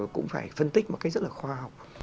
cũng phải phân tích một cách rất là khoa học